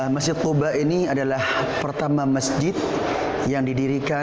masjid kuba ini adalah pertama masjid yang didirikan